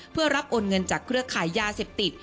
เพื่อรับโอนเงินจากเครือขายยาเสพติด